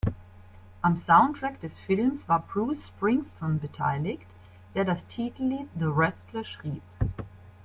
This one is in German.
Am Soundtrack des Films war Bruce Springsteen beteiligt, der das Titellied "The Wrestler" schrieb.